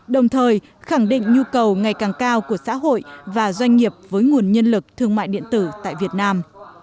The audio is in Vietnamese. đồng thời khẳng định nhu cầu ngày càng cao của xã hội và doanh nghiệp với nguồn nhân lực thương mại điện tử tại việt nam